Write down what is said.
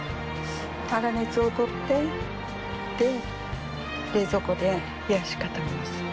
粗熱を取って冷蔵庫で冷やし固めます。